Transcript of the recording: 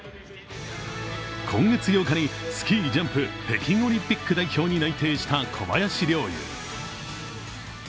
今月８日にスキージャンプ北京オリンピック代表に内定した小林陵侑。